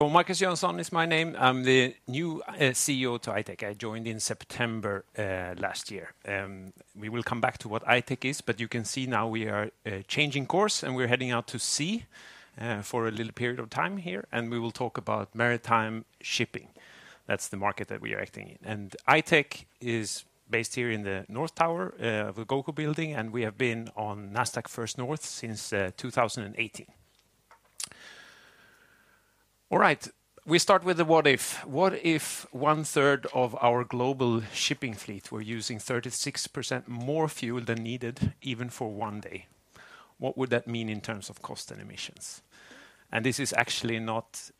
Markus Jönsson is my name. I'm the new CEO to I-Tech. I joined in September last year. We will come back to what I-Tech is, but you can see now we are changing course and we're heading out to sea for a little period of time here, and we will talk about maritime shipping. That's the market that we are acting in. And I-Tech is based here in the North Tower of the GoCo building, and we have been on Nasdaq First North since 2018. All right, we start with the what if. What if one third of our global shipping fleet were using 36% more fuel than needed even for one day? What would that mean in terms of cost and emissions? And this is actually not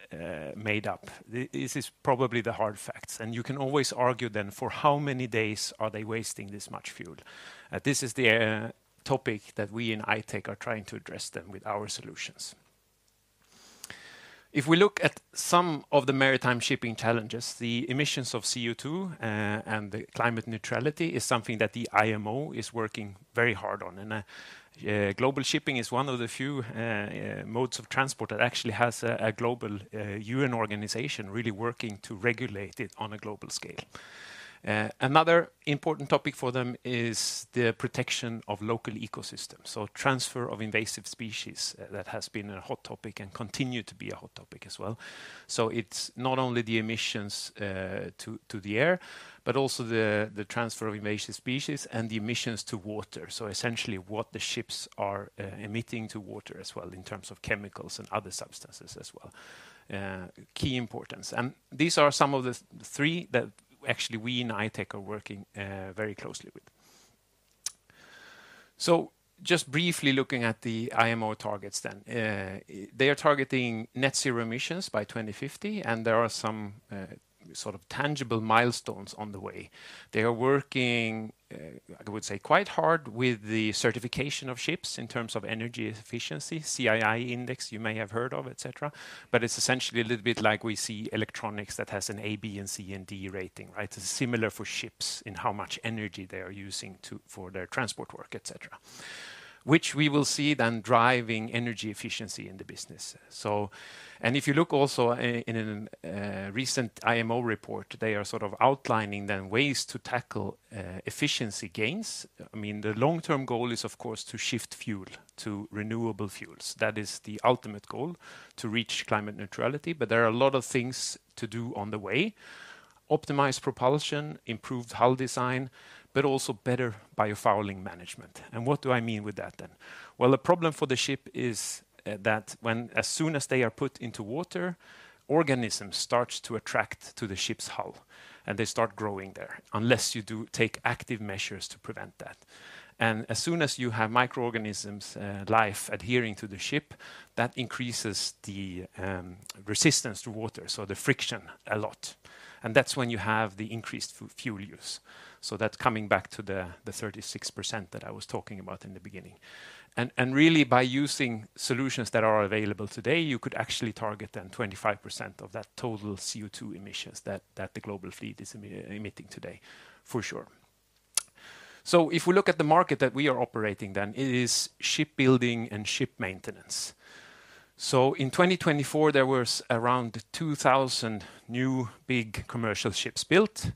made up. This is probably the hard facts. You can always argue then for how many days are they wasting this much fuel? This is the topic that we in I-Tech are trying to address them with our solutions. If we look at some of the maritime shipping challenges, the emissions of CO2 and the climate neutrality is something that the IMO is working very hard on. Global shipping is one of the few modes of transport that actually has a global UN organization really working to regulate it on a global scale. Another important topic for them is the protection of local ecosystems. Transfer of invasive species that has been a hot topic and continues to be a hot topic as well. It's not only the emissions to the air, but also the transfer of invasive species and the emissions to water. Essentially what the ships are emitting to water as well in terms of chemicals and other substances as well. Key importance. These are some of the three that actually we in I-Tech are working very closely with. Just briefly looking at the IMO targets then. They are targeting net zero emissions by 2050, and there are some sort of tangible milestones on the way. They are working, I would say, quite hard with the certification of ships in terms of energy efficiency, CII index you may have heard of, et cetera. But it's essentially a little bit like we see electronics that has an A, B, and C, and D rating, right? It's similar for ships in how much energy they are using for their transport work, et cetera, which we will see then driving energy efficiency in the business. If you look also in a recent IMO report, they are sort of outlining the ways to tackle efficiency gains. I mean, the long-term goal is of course to shift fuel to renewable fuels. That is the ultimate goal to reach climate neutrality, but there are a lot of things to do on the way. Optimize propulsion, improve hull design, but also better biofouling management. And what do I mean with that then? Well, the problem for the ship is that as soon as they are put into water, organisms start to attach to the ship's hull and they start growing there unless you do take active measures to prevent that. And as soon as you have microorganisms, life adhering to the ship, that increases the resistance to water, so the friction a lot. And that's when you have the increased fuel use. So that's coming back to the 36% that I was talking about in the beginning. And really by using solutions that are available today, you could actually target then 25% of that total CO2 emissions that the global fleet is emitting today for sure. So if we look at the market that we are operating then, it is shipbuilding and ship maintenance. So in 2024, there were around 2,000 new big commercial ships built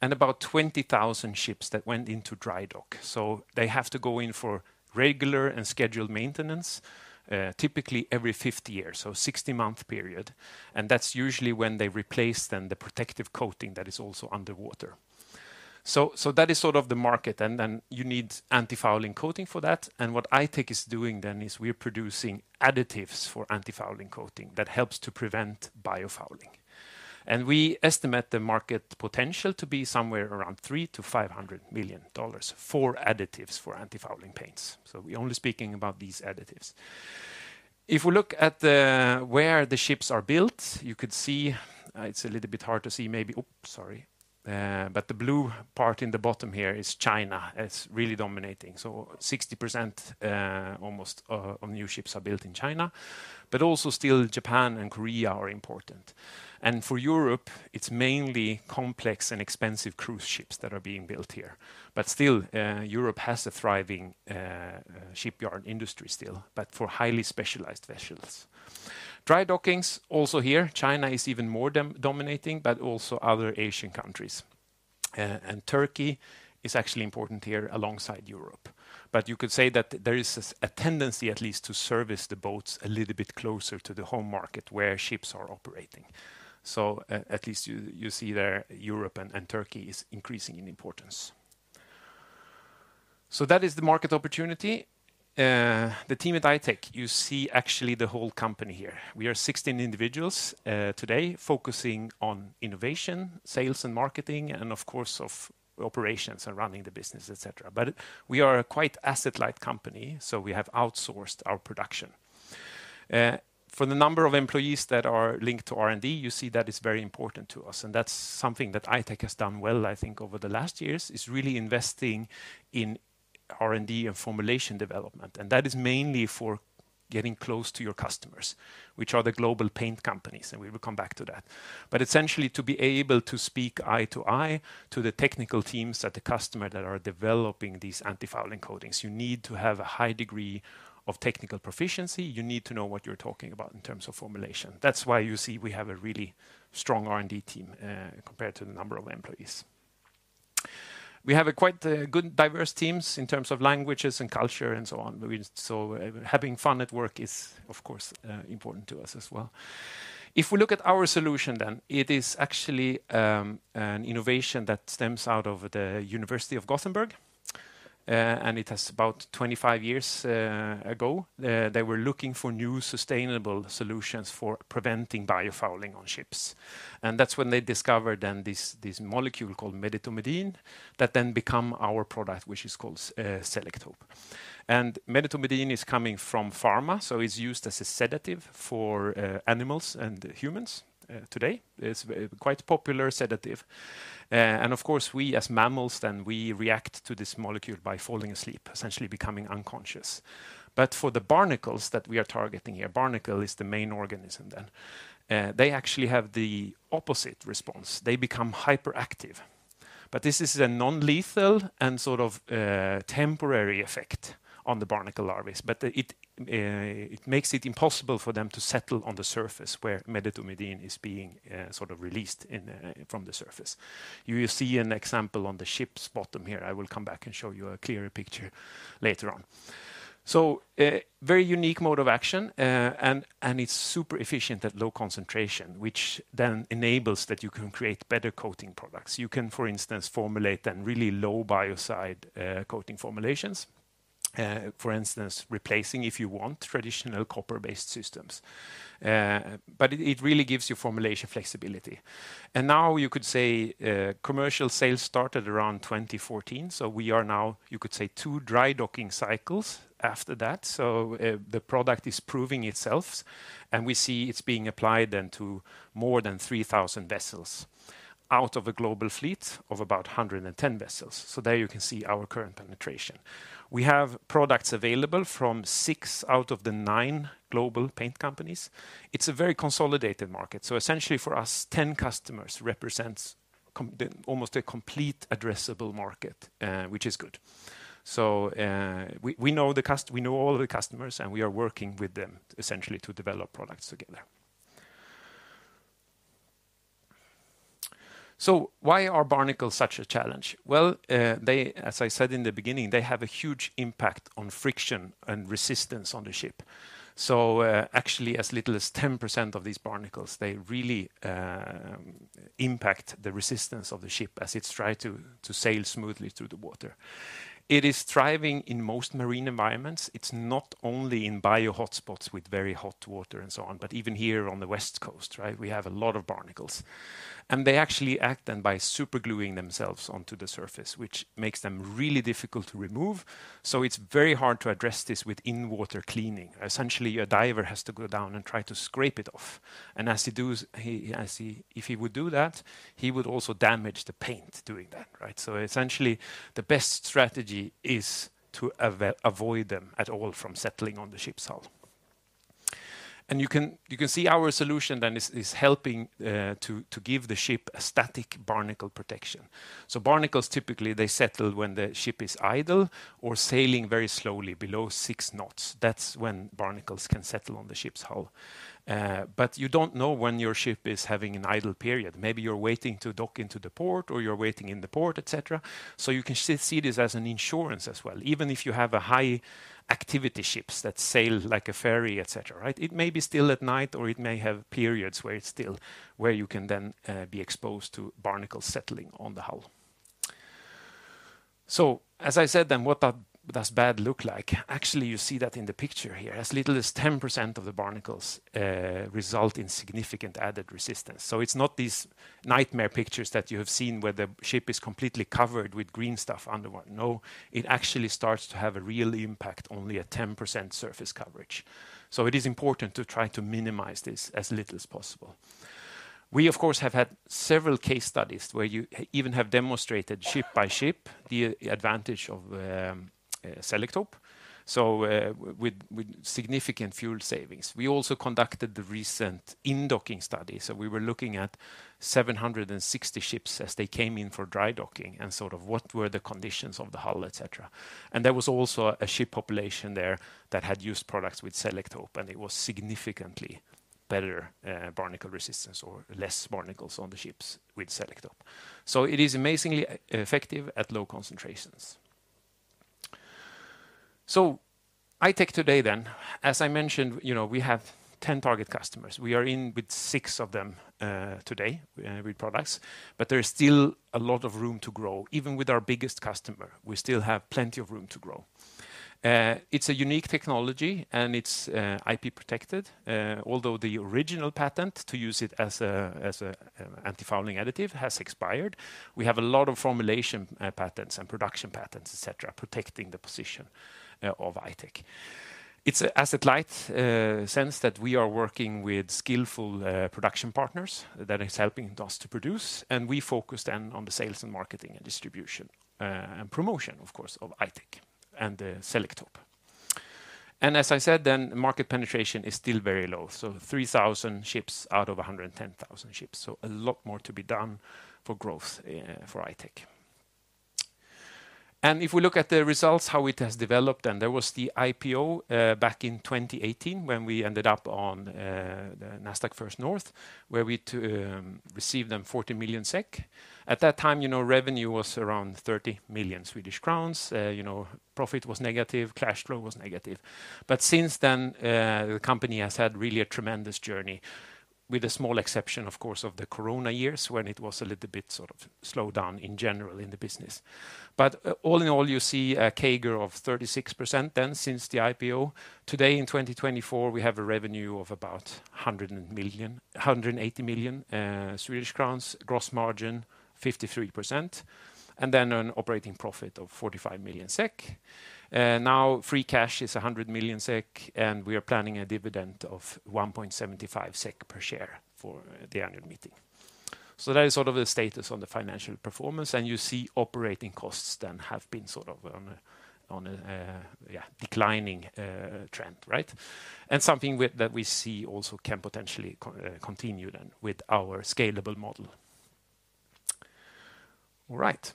and about 20,000 ships that went into dry dock. So they have to go in for regular and scheduled maintenance, typically every 50 years, so 60-month period. And that's usually when they replace then the protective coating that is also underwater. So that is sort of the market. And then you need antifouling coating for that. And what I-Tech is doing then is we're producing additives for antifouling coating that helps to prevent biofouling. And we estimate the market potential to be somewhere around $300-500 million for additives for antifouling paints. So we're only speaking about these additives. If we look at where the ships are built, you could see. It's a little bit hard to see maybe. Oops, sorry, but the blue part in the bottom here is China, as really dominating. So 60% almost of new ships are built in China, but also still Japan and Korea are important. And for Europe, it's mainly complex and expensive cruise ships that are being built here. But still, Europe has a thriving shipyard industry still, but for highly specialized vessels. Dry dockings also here. China is even more dominating, but also other Asian countries. And Turkey is actually important here alongside Europe. But you could say that there is a tendency at least to service the boats a little bit closer to the home market where ships are operating. So at least you see there Europe and Turkey is increasing in importance. So that is the market opportunity. The team at I-Tech, you see actually the whole company here. We are 16 individuals today focusing on innovation, sales and marketing, and of course of operations and running the business, et cetera. But we are a quite asset-light company, so we have outsourced our production. For the number of employees that are linked to R&D, you see that is very important to us. And that's something that I-Tech has done well, I think over the last years is really investing in R&D and formulation development. And that is mainly for getting close to your customers, which are the global paint companies. And we will come back to that. But essentially to be able to speak eye to eye to the technical teams that the customer that are developing these antifouling coatings, you need to have a high degree of technical proficiency. You need to know what you're talking about in terms of formulation. That's why you see we have a really strong R&D team compared to the number of employees. We have quite good diverse teams in terms of languages and culture and so on. So having fun at work is of course important to us as well. If we look at our solution then, it is actually an innovation that stems out of the University of Gothenburg. And it has about 25 years ago, they were looking for new sustainable solutions for preventing biofouling on ships. And that's when they discovered then this molecule called medetomidine that then became our product, which is called Selektope. And medetomidine is coming from pharma, so it's used as a sedative for animals and humans today. It's a quite popular sedative. And of course we as mammals then we react to this molecule by falling asleep, essentially becoming unconscious. But for the barnacles that we are targeting here, barnacle is the main organism then. They actually have the opposite response. They become hyperactive. But this is a non-lethal and sort of temporary effect on the barnacle larvae, but it makes it impossible for them to settle on the surface where medetomidine is being sort of released from the surface. You see an example on the ship's bottom here. I will come back and show you a clearer picture later on. So very unique mode of action and it's super efficient at low concentration, which then enables that you can create better coating products. You can, for instance, formulate them really low biocide coating formulations, for instance, replacing if you want traditional copper-based systems. But it really gives you formulation flexibility. And now you could say commercial sales started around 2014. So we are now, you could say, two dry docking cycles after that. So the product is proving itself and we see it's being applied then to more than 3,000 vessels out of a global fleet of about 110 vessels. So there you can see our current penetration. We have products available from six out of the nine global paint companies. It's a very consolidated market. So essentially for us, 10 customers represents almost a complete addressable market, which is good. We know all the customers and we are working with them essentially to develop products together. Why are barnacles such a challenge? Well, as I said in the beginning, they have a huge impact on friction and resistance on the ship. Actually as little as 10% of these barnacles, they really impact the resistance of the ship as it's trying to sail smoothly through the water. It is thriving in most marine environments. It's not only in biohotspots with very hot water and so on, but even here on the West Coast, right? We have a lot of barnacles. They actually act then by super gluing themselves onto the surface, which makes them really difficult to remove. It's very hard to address this with in-water cleaning. Essentially, a diver has to go down and try to scrape it off. And as he does, if he would do that, he would also damage the paint doing that, right? So essentially the best strategy is to avoid them at all from settling on the ship's hull. And you can see our solution then is helping to give the ship a static barnacle protection. So barnacles typically settle when the ship is idle or sailing very slowly below six knots. That's when barnacles can settle on the ship's hull. But you don't know when your ship is having an idle period. Maybe you're waiting to dock into the port or you're waiting in the port, et cetera. So you can see this as an insurance as well. Even if you have high activity ships that sail like a ferry, et cetera, right? It may be still at night or it may have periods where it's still where you can then be exposed to barnacles settling on the hull. So as I said then, what does bad look like? Actually, you see that in the picture here. As little as 10% of the barnacles result in significant added resistance. So it's not these nightmare pictures that you have seen where the ship is completely covered with green stuff underwater. No, it actually starts to have a real impact only at 10% surface coverage. So it is important to try to minimize this as little as possible. We of course have had several case studies where you even have demonstrated ship by ship the advantage of Selektope. So with significant fuel savings. We also conducted the recent dry-docking study. So we were looking at 760 ships as they came in for dry docking and sort of what were the conditions of the hull, et cetera. And there was also a ship population there that had used products with Selektope and it was significantly better barnacle resistance or less barnacles on the ships with Selektope. So it is amazingly effective at low concentrations. So I-Tech today then, as I mentioned, you know we have 10 target customers. We are in with six of them today with products, but there is still a lot of room to grow. Even with our biggest customer, we still have plenty of room to grow. It's a unique technology and it's IP protected. Although the original patent to use it as an antifouling additive has expired, we have a lot of formulation patents and production patents, et cetera, protecting the position of I-Tech. It's an asset-light sense that we are working with skillful production partners that are helping us to produce. And we focus then on the sales and marketing and distribution and promotion, of course, of I-Tech and Selektope. And as I said then, market penetration is still very low. So 3,000 ships out of 110,000 ships. So a lot more to be done for growth for I-Tech. And if we look at the results, how it has developed then, there was the IPO back in 2018 when we ended up on the Nasdaq First North where we received then 40 million SEK. At that time, you know revenue was around 30 million Swedish crowns. You know profit was negative, cash flow was negative. But since then, the company has had really a tremendous journey with a small exception, of course, of the corona years when it was a little bit sort of slowed down in general in the business. But all in all, you see a CAGR of 36% then since the IPO. Today in 2024, we have a revenue of about 180 million Swedish crowns, gross margin 53%, and then an operating profit of 45 million SEK. Now free cash is 100 million SEK and we are planning a dividend of 1.75 SEK per share for the annual meeting. So that is sort of the status on the financial performance. And you see operating costs then have been sort of on a declining trend, right? And something that we see also can potentially continue then with our scalable model. All right.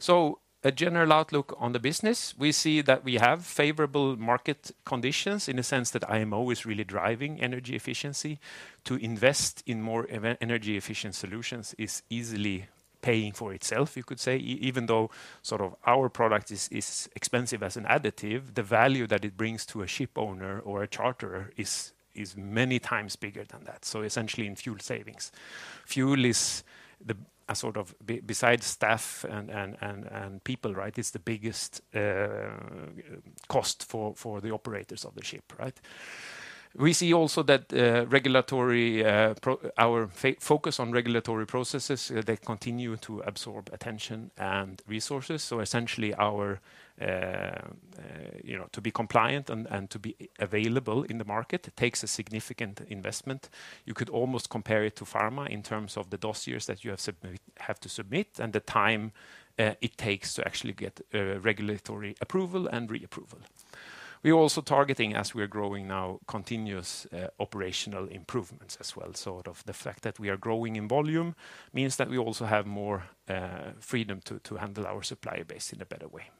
So a general outlook on the business, we see that we have favorable market conditions in the sense that IMO is really driving energy efficiency. To invest in more energy efficient solutions is easily paying for itself, you could say. Even though sort of our product is expensive as an additive, the value that it brings to a ship owner or a charterer is many times bigger than that. So essentially in fuel savings. Fuel is a sort of, besides staff and people, right? It's the biggest cost for the operators of the ship, right? We see also that our focus on regulatory processes, they continue to absorb attention and resources. So essentially our, you know, to be compliant and to be available in the market, it takes a significant investment. You could almost compare it to pharma in terms of the dossiers that you have to submit and the time it takes to actually get regulatory approval and reapproval. We are also targeting, as we are growing now, continuous operational improvements as well, so the fact that we are growing in volume means that we also have more freedom to handle our supply base in a better way,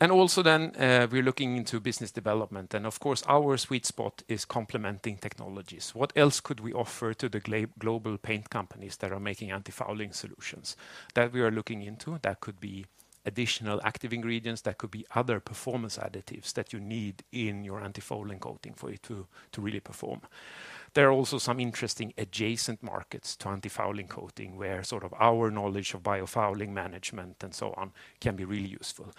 and also then we're looking into business development, and of course our sweet spot is complementing technologies. What else could we offer to the global paint companies that are making antifouling solutions that we are looking into? That could be additional active ingredients, that could be other performance additives that you need in your antifouling coating for it to really perform. There are also some interesting adjacent markets to antifouling coating where sort of our knowledge of biofouling management and so on can be really useful,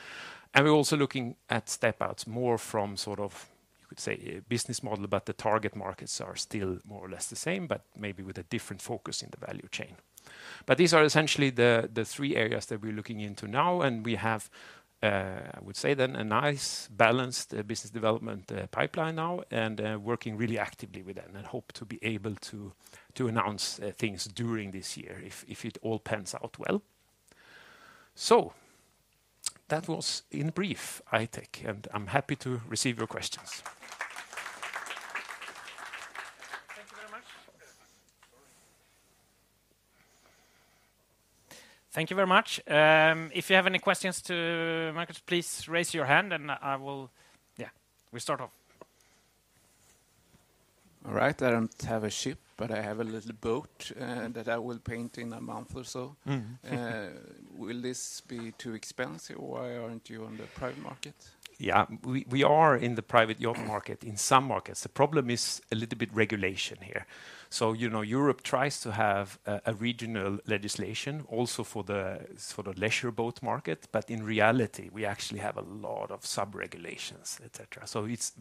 and we're also looking at step-outs more from sort of, you could say, business model, but the target markets are still more or less the same, but maybe with a different focus in the value chain, but these are essentially the three areas that we're looking into now, and we have, I would say then, a nice balanced business development pipeline now and working really actively with them and hope to be able to announce things during this year if it all pans out well, so that was in brief I-Tech, and I'm happy to receive your questions. Thank you very much. Thank you very much. If you have any questions to Markus, please raise your hand and I will, yeah, we'll start off. All right. I don't have a ship, but I have a little boat that I will paint in a month or so. Will this be too expensive or why aren't you on the private market? Yeah, we are in the private yacht market in some markets. The problem is a little bit regulation here. So, you know, Europe tries to have a regional legislation also for the leisure boat market, but in reality, we actually have a lot of sub-regulations, et cetera. So it's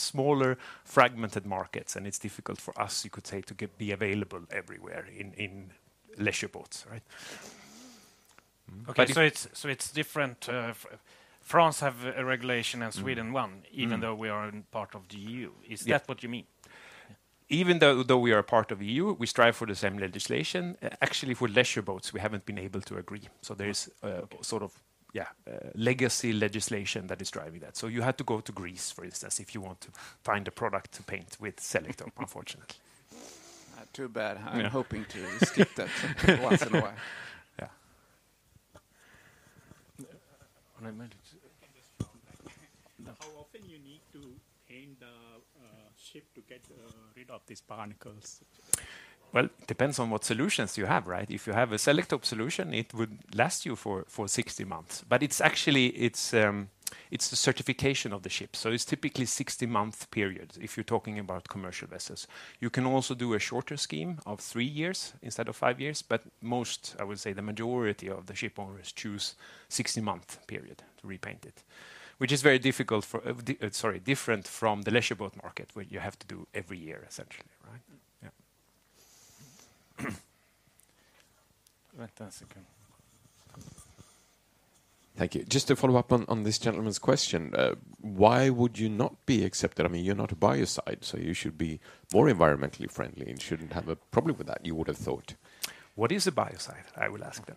smaller fragmented markets and it's difficult for us, you could say, to be available everywhere in leisure boats, right? Okay, so it's different. France has a regulation and Sweden one, even though we are part of the EU. Is that what you mean? Even though we are part of the EU, we strive for the same legislation. Actually, for leisure boats, we haven't been able to agree. So there's sort of, yeah, legacy legislation that is driving that. So you have to go to Greece, for instance, if you want to find a product to paint with Selektope, unfortunately. Too bad. I'm hoping to skip that once in a while. Yeah. How often you need to paint a ship to get rid of these barnacles? Well, it depends on what solutions you have, right? If you have a Selektope solution, it would last you for 60 months. But it's actually, it's the certification of the ship. So it's typically 60-month period if you're talking about commercial vessels. You can also do a shorter scheme of three years instead of five years, but most, I would say the majority of the ship owners choose a 60-month period to repaint it, which is very difficult for, sorry, different from the leisure boat market where you have to do every year, essentially, right? Yeah. Thank you. Just to follow up on this gentleman's question, why would you not be accepted? I mean, you're not a biocide, so you should be more environmentally friendly and shouldn't have a problem with that, you would have thought. What is a biocide, I will ask then?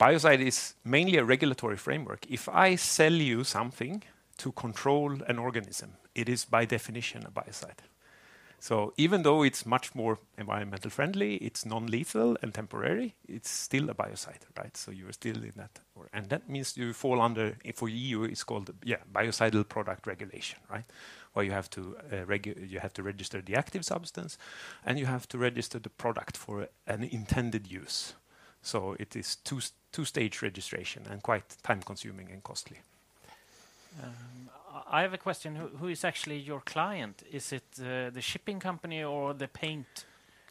Biocide is mainly a regulatory framework. If I sell you something to control an organism, it is by definition a biocide. So even though it's much more environmentally friendly, it's non-lethal and temporary, it's still a biocide, right? So you're still in that. And that means you fall under, for EU, it's called Biocidal Products Regulation, right? Where you have to register the active substance and you have to register the product for an intended use. So it is two-stage registration and quite time-consuming and costly. I have a question. Who is actually your client? Is it the shipping company or the paint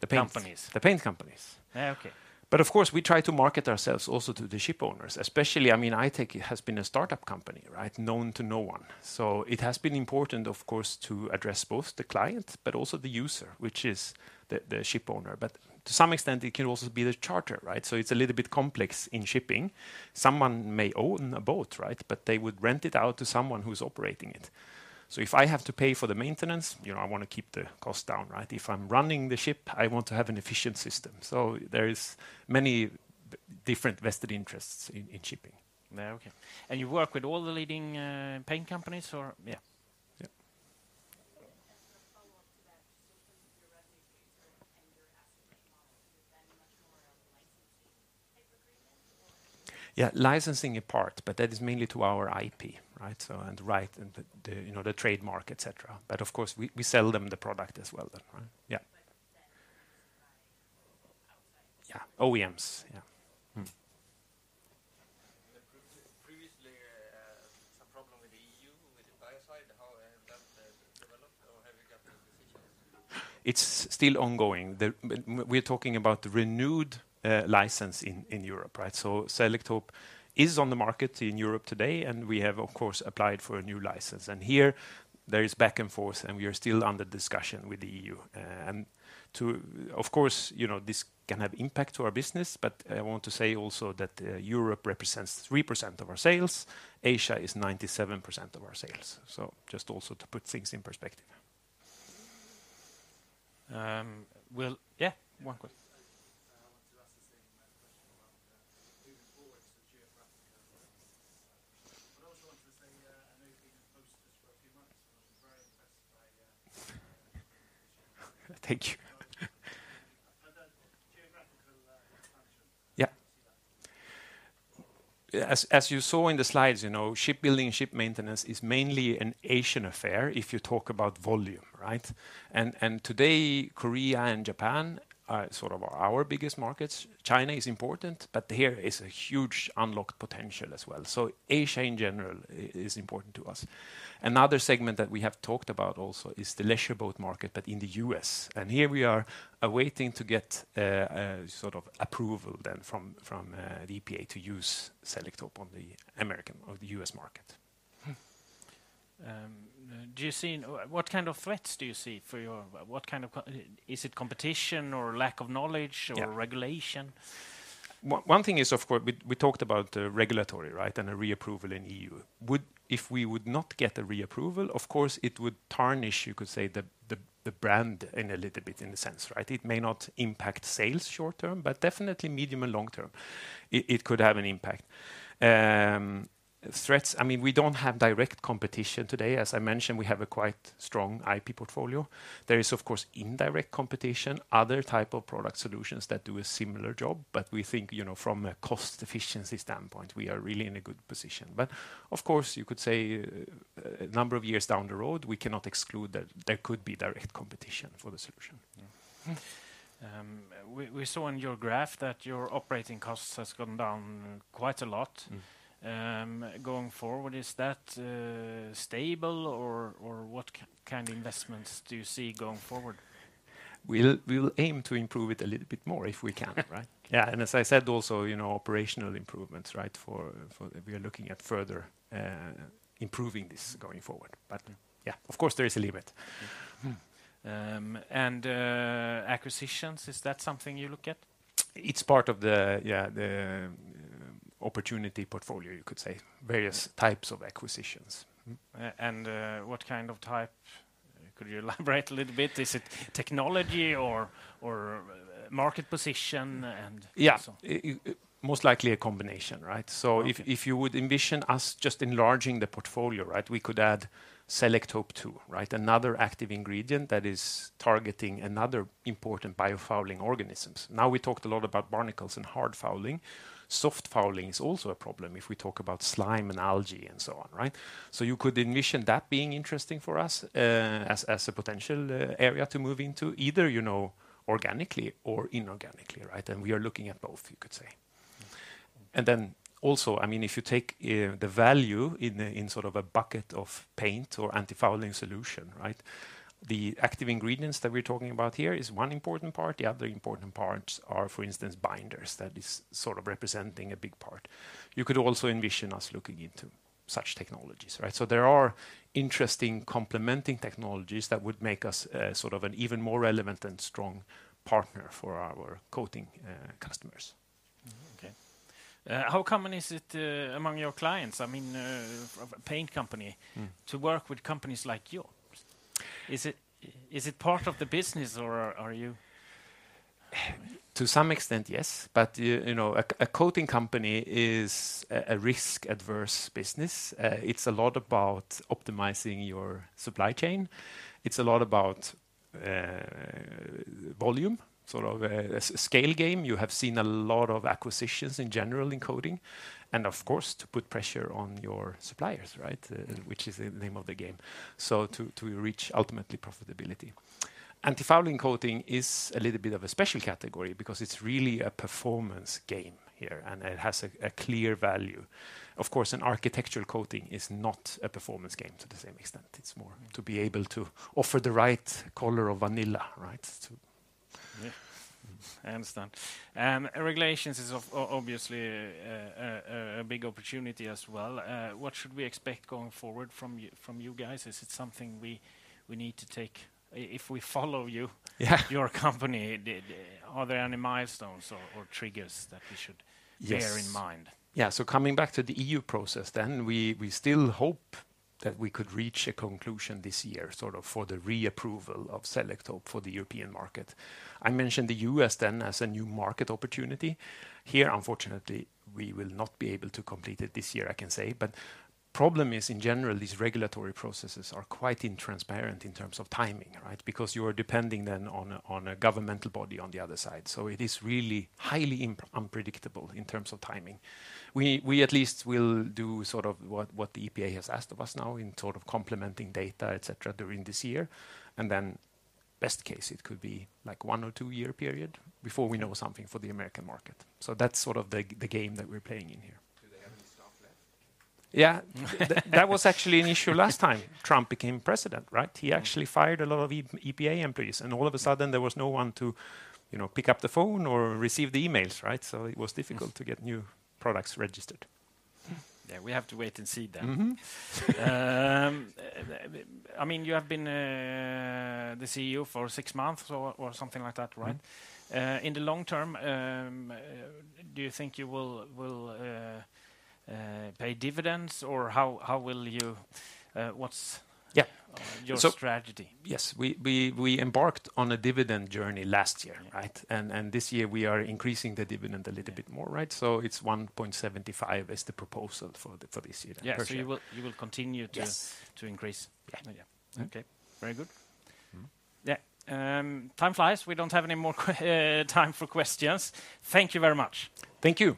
companies? The paint companies. The paint companies. Okay. But of course, we try to market ourselves also to the ship owners, especially, I mean, I-Tech has been a startup company, right? Known to no one. So it has been important, of course, to address both the client, but also the user, which is the ship owner. But to some extent, it can also be the charterer, right? So it's a little bit complex in shipping. Someone may own a boat, right? But they would rent it out to someone who's operating it. So if I have to pay for the maintenance, you know, I want to keep the cost down, right? If I'm running the ship, I want to have an efficient system. So there are many different vested interests in shipping. Yeah, okay. And you work with all the leading paint companies or? Yeah. Yeah. And as a follow-up to that, in terms of your revenue and your asset-based model, is it then much more of a licensing type agreement? Yeah, licensing in part, but that is mainly to our IP, right? And right, and the trademark, et cetera. But of course, we sell them the product as well then, right? Yeah. But then you're supplying outside? Yeah, OEMs, yeah. Previously, a problem with the EU with the biocide. How has that developed or have you got the decision? It's still ongoing. We're talking about the renewed license in Europe, right? So Selektope is on the market in Europe today and we have, of course, applied for a new license. And here there is back and forth and we are still under discussion with the EU. And of course, you know, this can have impact to our business, but I want to say also that Europe represents 3% of our sales. Asia is 97% of our sales. So just also to put things in perspective. Well, yeah, one question. I wanted to ask the same question about moving forward to geographical expansion. But I also wanted to say I know you've been in post just for a few months and I'm very impressed by your thinking. Thank you. And then geographical expansion, what do you see that? As you saw in the slides, you know, shipbuilding, ship maintenance is mainly an Asian affair if you talk about volume, right, and today, Korea and Japan are sort of our biggest markets. China is important, but here is a huge unlocked potential as well, so Asia in general is important to us. Another segment that we have talked about also is the leisure boat market, but in the U.S. And here we are awaiting to get sort of approval then from the EPA to use Selektope on the American or the U.S. market. Do you see what kind of threats do you see for your, what kind of, is it competition or lack of knowledge or regulation? One thing is, of course, we talked about the regulatory, right, and a reapproval in the EU. If we would not get a reapproval, of course, it would tarnish, you could say, the brand in a little bit in a sense, right? It may not impact sales short term, but definitely medium and long term, it could have an impact. Threats, I mean, we don't have direct competition today. As I mentioned, we have a quite strong IP portfolio. There is, of course, indirect competition, other types of product solutions that do a similar job, but we think, you know, from a cost efficiency standpoint, we are really in a good position. But of course, you could say a number of years down the road, we cannot exclude that there could be direct competition for the solution. We saw in your graph that your operating costs have gone down quite a lot. Going forward, is that stable or what kind of investments do you see going forward? We'll aim to improve it a little bit more if we can, right? Yeah, and as I said also, you know, operational improvements, right? We are looking at further improving this going forward. But yeah, of course, there is a limit. And acquisitions, is that something you look at? It's part of the, yeah, the opportunity portfolio, you could say, various types of acquisitions. And what kind of type, could you elaborate a little bit? Is it technology or market position and so on? Yeah, most likely a combination, right? So if you would envision us just enlarging the portfolio, right, we could add Selektope too, right? Another active ingredient that is targeting another important biofouling organisms. Now we talked a lot about barnacles and hard fouling. Soft fouling is also a problem if we talk about slime and algae and so on, right? So you could envision that being interesting for us as a potential area to move into, either, you know, organically or inorganically, right? And we are looking at both, you could say. And then also, I mean, if you take the value in sort of a bucket of paint or antifouling solution, right? The active ingredients that we're talking about here is one important part. The other important parts are, for instance, binders that is sort of representing a big part. You could also envision us looking into such technologies, right? So there are interesting complementing technologies that would make us sort of an even more relevant and strong partner for our coating customers. Okay. How common is it among your clients, I mean, a paint company to work with companies like yours? Is it part of the business or are you? To some extent, yes. But you know, a coating company is a risk-averse business. It's a lot about optimizing your supply chain. It's a lot about volume, sort of a scale game. You have seen a lot of acquisitions in general in coating. And of course, to put pressure on your suppliers, right? Which is the name of the game. So to reach ultimately profitability. Anti-fouling coating is a little bit of a special category because it's really a performance game here and it has a clear value. Of course, an architectural coating is not a performance game to the same extent. It's more to be able to offer the right color of vanilla, right? Yeah, I understand. And regulations is obviously a big opportunity as well. What should we expect going forward from you guys? Is it something we need to take if we follow you, your company? Are there any milestones or triggers that we should bear in mind? Yeah, so coming back to the E.U. process then, we still hope that we could reach a conclusion this year sort of for the reapproval of Selektope for the European market. I mentioned the U.S. then as a new market opportunity. Here, unfortunately, we will not be able to complete it this year, I can say. But the problem is in general, these regulatory processes are quite intransparent in terms of timing, right? Because you are depending then on a governmental body on the other side. So it is really highly unpredictable in terms of timing. We at least will do sort of what the EPA has asked of us now in sort of complementing data, et cetera, during this year. And then best case, it could be like one or two-year period before we know something for the American market. So that's sort of the game that we're playing in here. Do they have any staff left? Yeah, that was actually an issue last time Trump became president, right? He actually fired a lot of EPA employees and all of a sudden there was no one to, you know, pick up the phone or receive the emails, right? So it was difficult to get new products registered. Yeah, we have to wait and see then. I mean, you have been the CEO for six months or something like that, right? In the long term, do you think you will pay dividends or how will you, what's your strategy? Yes, we embarked on a dividend journey last year, right? And this year we are increasing the dividend a little bit more, right? So it's 1.75 as the proposal for this year. Yeah, so you will continue to increase. Yeah. Okay, very good. Yeah, time flies. We don't have any more time for questions. Thank you very much. Thank you.